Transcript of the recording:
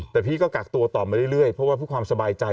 แต่พี่ก็กักตัวต่อมาเรื่อยเพราะว่าเพื่อความสบายใจ